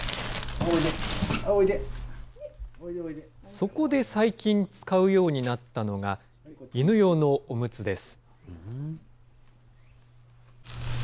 そこで最近使うようになったのが、犬用のおむつです。